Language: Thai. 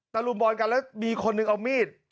ลุมบอลกันแล้วมีคนหนึ่งเอามีด